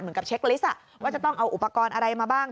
เหมือนกับเช็คลิสต์ว่าจะต้องเอาอุปกรณ์อะไรมาบ้าง